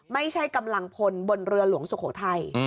ไม่ใช่กำลังพลบนเรือหลวงสุโขทัย